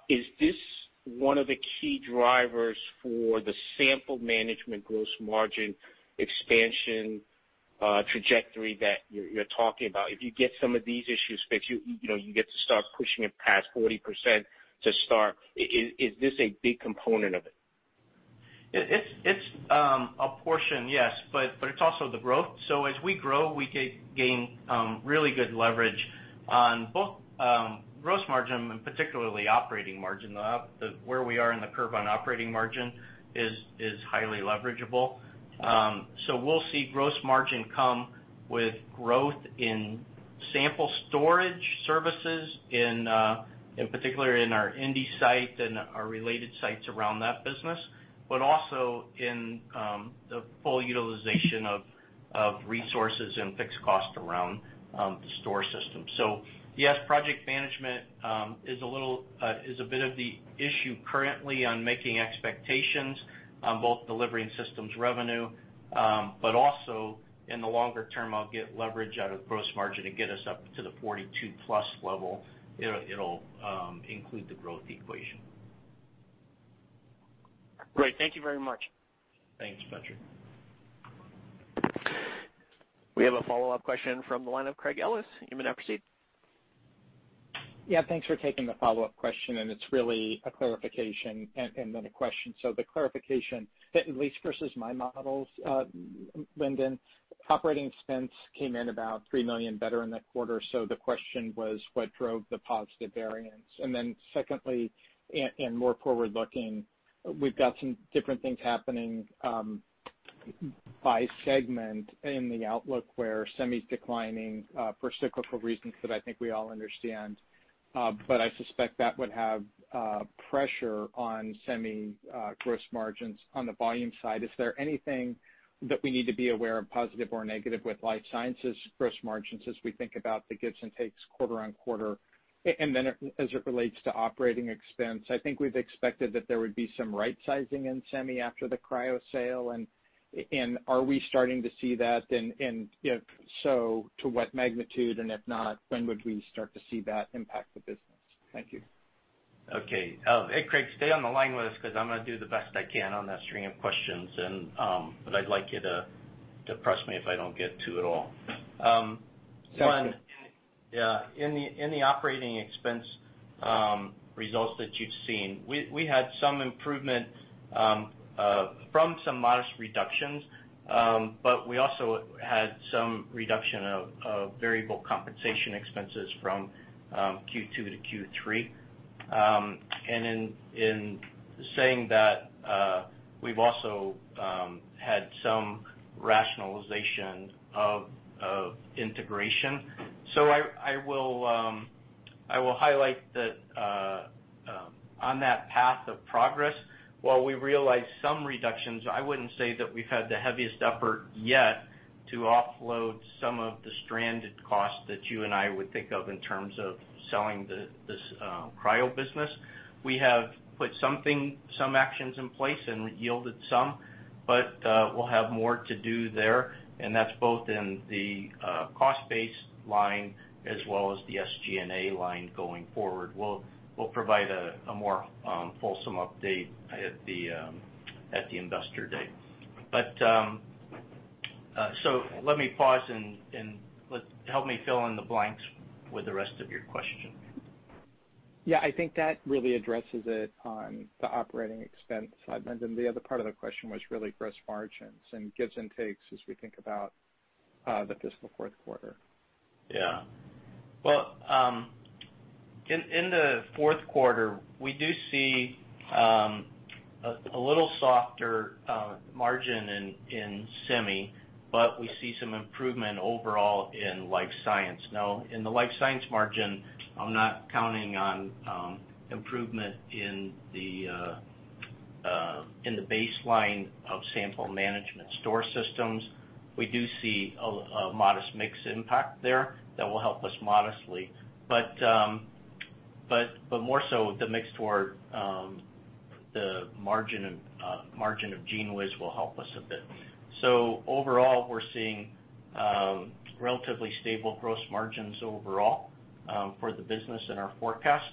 is this one of the key drivers for the Sample Management gross margin expansion trajectory that you're talking about? If you get some of these issues fixed, you get to start pushing it past 40% to start. Is this a big component of it? It's a portion, yes. It's also the growth. As we grow, we gain really good leverage on both gross margin and particularly operating margin. Where we are in the curve on operating margin is highly leverageable. We'll see gross margin come with growth in sample storage services, in particular in our Indianapolis site and our related sites around that business. Also in the full utilization of resources and fixed cost around the store system. Yes, project management is a bit of the issue currently on making expectations on both delivery and systems revenue. Also in the longer term, I'll get leverage out of gross margin to get us up to the 42-plus level. It'll include the growth equation. Great. Thank you very much. Thanks, Patrick. We have a follow-up question from the line of Craig Ellis. You may now proceed. Thanks for taking the follow-up question, it's really a clarification and then a question. The clarification, at least versus my models, Lindon, operating expense came in about $3 million better in that quarter. The question was what drove the positive variance? Secondly, more forward-looking, we've got some different things happening by segment in the outlook where semi's declining for cyclical reasons that I think we all understand. I suspect that would have pressure on semi gross margins on the volume side. Is there anything that we need to be aware of, positive or negative, with life sciences gross margins as we think about the gives and takes quarter-on-quarter? As it relates to operating expense, I think we've expected that there would be some right sizing in semi after the Cryo sale, are we starting to see that? If so, to what magnitude? If not, when would we start to see that impact the business? Thank you. Okay. Hey, Craig, stay on the line with us because I'm going to do the best I can on that stream of questions, but I'd like you to press me if I don't get to it all. Sounds good. In the operating expense results that you've seen, we had some improvement from some modest reductions, but we also had some reduction of variable compensation expenses from Q2 to Q3. In saying that, we've also had some rationalization of integration. I will highlight that on that path of progress, while we realized some reductions, I wouldn't say that we've had the heaviest effort yet to offload some of the stranded costs that you and I would think of in terms of selling this cryo business. We have put some actions in place and yielded some, but we'll have more to do there, and that's both in the cost base line as well as the SG&A line going forward. We'll provide a more fulsome update at the investor day. Let me pause, and help me fill in the blanks with the rest of your question. Yeah, I think that really addresses it on the operating expense side. The other part of the question was really gross margins and gives and takes as we think about the fiscal fourth quarter. Well, in the fourth quarter, we do see a little softer margin in semi, but we see some improvement overall in life science. In the life science margin, I'm not counting on improvement in the baseline of Sample Management store systems. We do see a modest mix impact there that will help us modestly. More so the mix toward the margin of GENEWIZ will help us a bit. Overall, we're seeing relatively stable gross margins overall for the business in our forecast.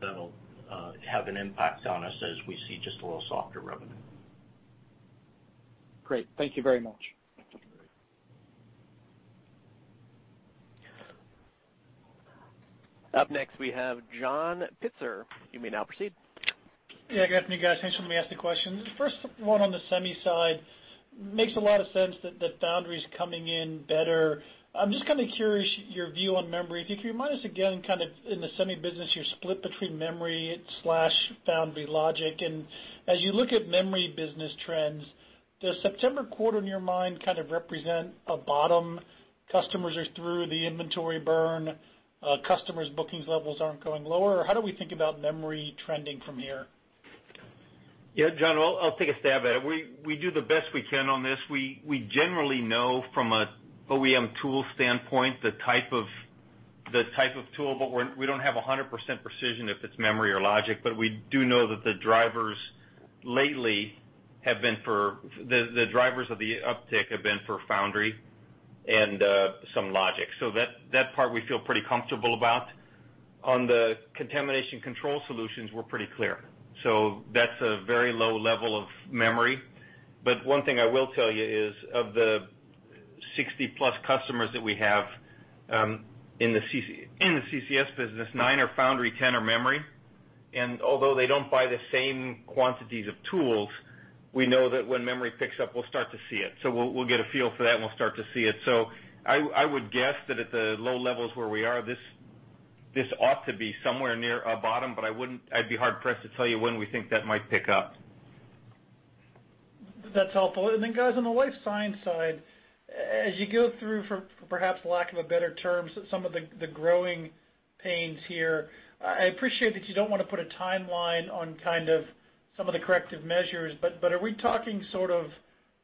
That'll have an impact on us as we see just a little softer revenue. Great. Thank you very much. Up next, we have John Pitzer. You may now proceed. Yeah, good afternoon, guys. Thanks for letting me ask the question. First one on the semi side. Makes a lot of sense that foundry's coming in better. I'm just kind of curious your view on memory. If you could remind us again, kind of in the semi business, you're split between memory/foundry logic. As you look at memory business trends, does September quarter, in your mind, kind of represent a bottom, customers are through the inventory burn, customers' bookings levels aren't going lower, or how do we think about memory trending from here? Yeah, John, I'll take a stab at it. We do the best we can on this. We generally know from an OEM tool standpoint the type of tool, but we don't have 100% precision if it's memory or logic. We do know that the drivers of the uptick have been for foundry and some logic. That part we feel pretty comfortable about. On the contamination control solutions, we're pretty clear. That's a very low level of memory. One thing I will tell you is of the 60-plus customers that we have in the CCS business, nine are foundry, 10 are memory, and although they don't buy the same quantities of tools, we know that when memory picks up, we'll start to see it. We'll get a feel for that, and we'll start to see it. I would guess that at the low levels where we are, this ought to be somewhere near a bottom, but I'd be hard-pressed to tell you when we think that might pick up. That's helpful. Then, guys, on the life science side, as you go through, for perhaps lack of a better term, some of the growing pains here, I appreciate that you don't want to put a timeline on kind of some of the corrective measures, but are we talking sort of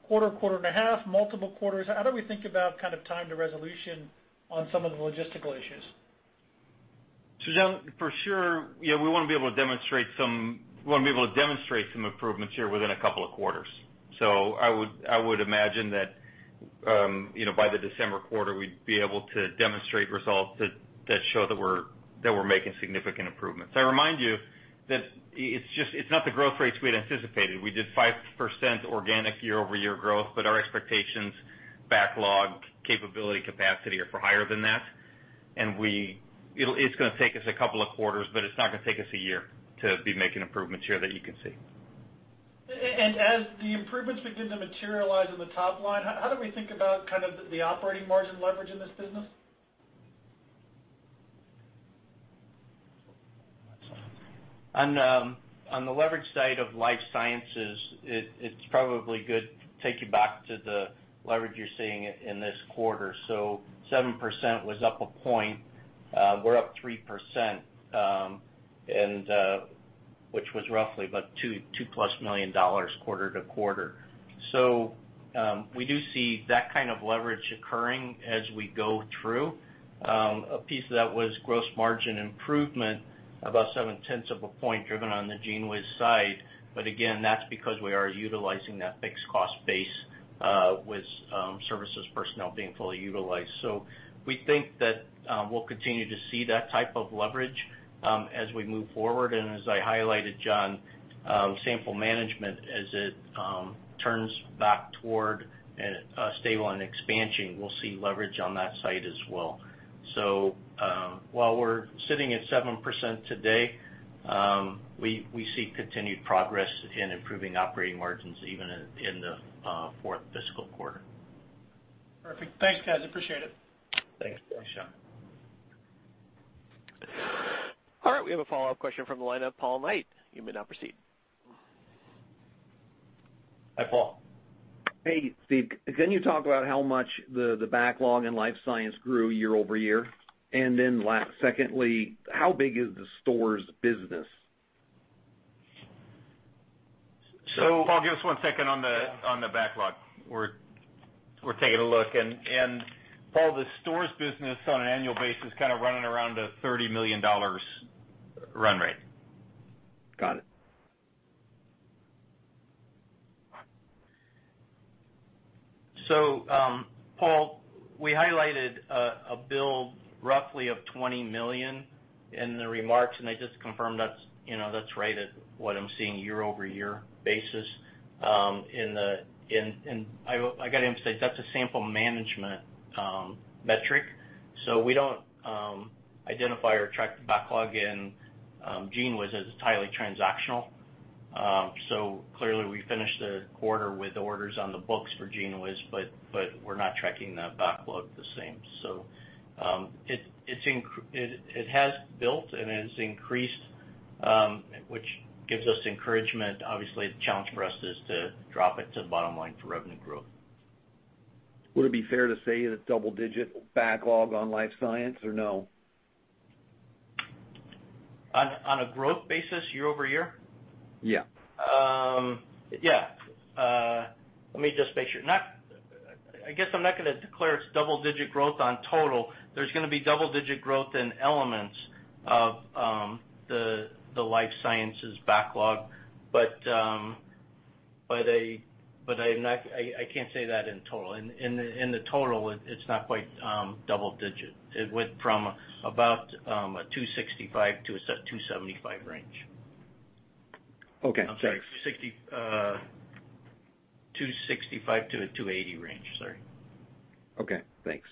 quarter and a half, multiple quarters? How do we think about kind of time to resolution on some of the logistical issues? John, for sure, we want to be able to demonstrate some improvements here within a couple of quarters. I would imagine that by the December quarter, we'd be able to demonstrate results that show that we're making significant improvements. I remind you that it's not the growth rates we had anticipated. We did 5% organic year-over-year growth, but our expectations, backlog, capability, capacity are for higher than that. It's going to take us a couple of quarters, but it's not going to take us a year to be making improvements here that you can see. As the improvements begin to materialize on the top line, how do we think about kind of the operating margin leverage in this business? On the leverage side of life sciences, it's probably good to take you back to the leverage you're seeing in this quarter. 7% was up a point. We're up 3%, which was roughly about $2+ million quarter-to-quarter. We do see that kind of leverage occurring as we go through. A piece of that was gross margin improvement, about seven tenths of a point driven on the GENEWIZ side. That's because we are utilizing that fixed cost base with services personnel being fully utilized. We think that we'll continue to see that type of leverage as we move forward. As I highlighted, John, Sample Management, as it turns back toward a stable and expansion, we'll see leverage on that site as well. While we're sitting at 7% today, we see continued progress in improving operating margins even in the fourth fiscal quarter. Perfect. Thanks, guys. Appreciate it. Thanks. Thanks, John. All right, we have a follow-up question from the lineup. Paul Knight, you may now proceed. Hi, Paul. Hey, Steve. Can you talk about how much the backlog in life science grew year-over-year? Secondly, how big is the stores business? Paul, give us one second on the backlog. We're taking a look, and Paul, the stores business on an annual basis kind of running around a $30 million run rate. Got it. Paul, we highlighted a build roughly of $20 million in the remarks. I just confirmed that's right at what I'm seeing year-over-year basis. I got to emphasize, that's a Sample Management metric. We don't identify or track the backlog in GENEWIZ as it's highly transactional. Clearly we finished the quarter with orders on the books for GENEWIZ, but we're not tracking the backlog the same. It has built and has increased, which gives us encouragement. The challenge for us is to drop it to the bottom line for revenue growth. Would it be fair to say it's double digit backlog on life science or no? On a growth basis year-over-year? Yeah. Yeah. Let me just make sure. I guess I'm not going to declare it's double digit growth on total. There's going to be double digit growth in elements of the Life Sciences backlog. I can't say that in total. In the total, it's not quite double digit. It went from about $265-$275 range. Okay. Sorry. $265-$280 range, sorry. Okay, thanks.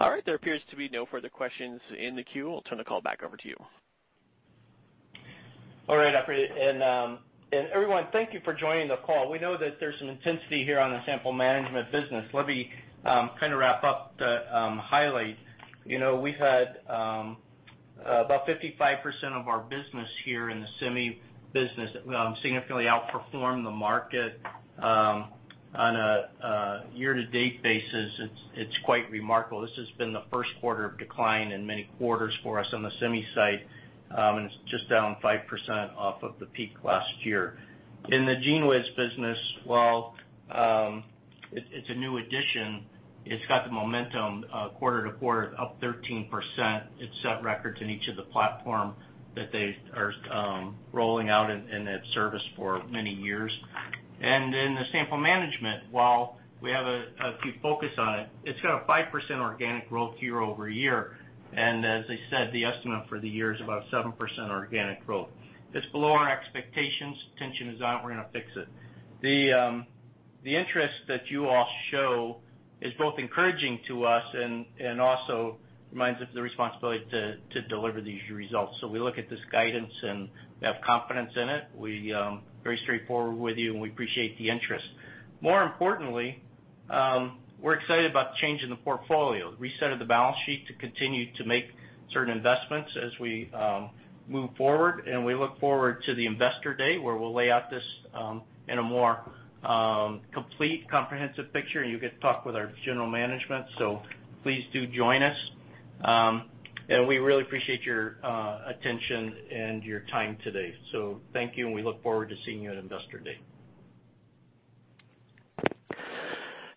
Yeah. All right. There appears to be no further questions in the queue. I'll turn the call back over to you. All right, operator. Everyone, thank you for joining the call. We know that there's some intensity here on the Sample Management business. Let me kind of wrap up the highlight. We've had about 55% of our business here in the semi business significantly outperform the market, on a year-to-date basis, it's quite remarkable. This has been the first quarter of decline in many quarters for us on the semi site, and it's just down 5% off of the peak last year. In the GENEWIZ business, while it's a new addition, it's got the momentum quarter-to-quarter up 13%. It set records in each of the platform that they are rolling out and it serviced for many years. In the Sample Management, while we have a few focus on it's got a 5% organic growth year-over-year. As I said, the estimate for the year is about 7% organic growth. It's below our expectations. Tension is on. We're going to fix it. The interest that you all show is both encouraging to us and also reminds us of the responsibility to deliver these results. We look at this guidance, and we have confidence in it. We very straightforward with you, and we appreciate the interest. More importantly, we're excited about the change in the portfolio, reset of the balance sheet to continue to make certain investments as we move forward, and we look forward to the Investor Day where we'll lay out this in a more complete, comprehensive picture, and you get to talk with our general management. Please do join us. We really appreciate your attention and your time today. Thank you, and we look forward to seeing you at Investor Day.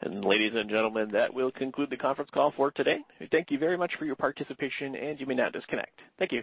Ladies and gentlemen, that will conclude the conference call for today. Thank you very much for your participation, and you may now disconnect. Thank you.